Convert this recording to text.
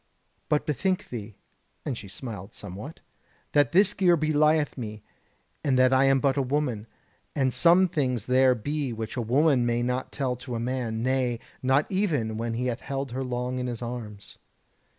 But bethink thee" (and she smiled somewhat) "that this gear belieth me, and that I am but a woman; and some things there be which a woman may not tell to a man, nay, not even when he hath held her long in his arms."